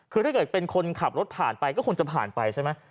คือถ้าเกิดเป็นคนขับรถผ่านไปก็คงจะผ่านไปใช่ไหม